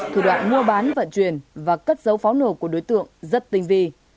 thủ đoạn mua bán vận chuyển và cất dấu pháo nổ của đối tượng rất tinh vi